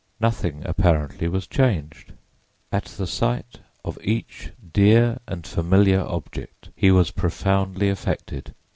Nothing, apparently, was changed. At the sight of each dear and familiar object he was profoundly affected.